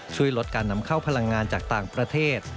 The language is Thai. ช่วยลดการนำเข้าพลังงานจากต่างประเทศ